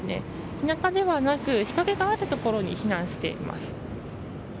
日なたではなく日影があるところに避難しています。